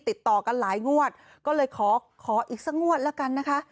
ติดต่อกันหลายงวดก็เลยขอขออีกสักงวดแล้วกันนะคะ